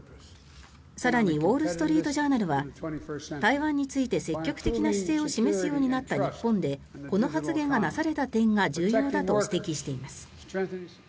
更に、ウォール・ストリート・ジャーナルは台湾について積極的な姿勢を示すようになった日本でこの発言がなされた点が重要だと指摘しています。